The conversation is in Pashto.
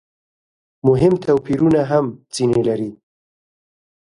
مهم توپیرونه هم ځنې لري.